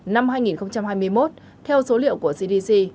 năm hai nghìn hai mươi một theo số liệu của cdc